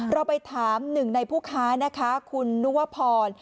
เราไปถามหนึ่งในผู้ค้านะคะคุณนุวพร